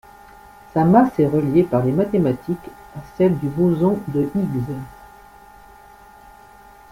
Sa masse est reliée par les mathématiques à celle du boson de Higgs.